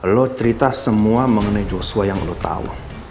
lo cerita semua mengenai joshua yang lo tahu